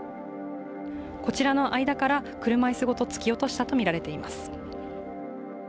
こちらの間から車椅子ごと突き落としたとみられています。